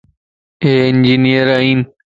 يي انجينئر ائين